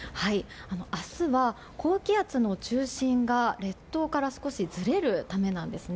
明日は、高気圧の中心が列島から少しずれるためなんですね。